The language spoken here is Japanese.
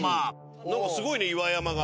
何かすごいね岩山が。